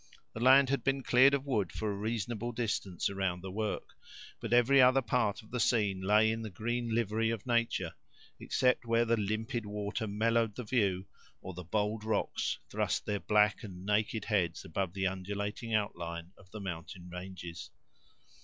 The land had been cleared of wood for a reasonable distance around the work, but every other part of the scene lay in the green livery of nature, except where the limpid water mellowed the view, or the bold rocks thrust their black and naked heads above the undulating outline of the mountain ranges.